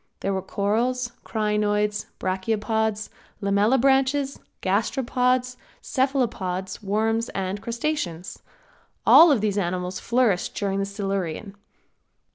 There were corals, crinoids, brachiopods, lamellibranches, gasteropods, cephalopods, worms and crustaceans. All of these animals flourished during the Silurian.